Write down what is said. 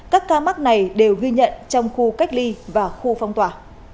các ca mắc này đều ghi nhận trong khu cách ly và khu phong tỏa